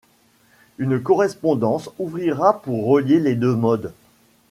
Une correspondance ouvrira pour relier les deux modes.